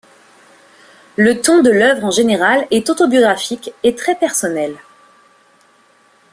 Le ton de l'œuvre en général est autobiographique et très personnel.